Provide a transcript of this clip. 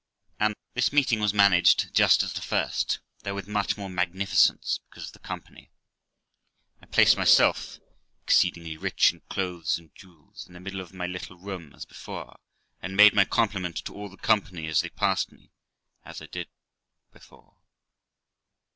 This meeting was managed just as the first, though with much more magnificence, because of the company. I placed myself (exceedingly rich in clothes and jewels) in the middle of my little room, as before, and made my compliment to all the company as they passed me, as I did before.